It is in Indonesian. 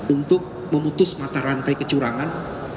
untuk memutus mata rantai kecurangan